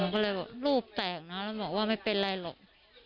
ก็เลยบอกรูปแตกเนอะแล้วบอกว่าไม่เป็นไรหรอก